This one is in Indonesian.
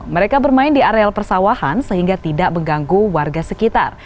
mereka bermain di areal persawahan sehingga tidak mengganggu warga sekitar